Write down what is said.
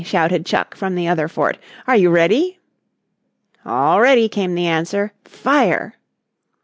shouted Chuck from the other fort, "are you ready?" "All ready," came the answer. "Fire!"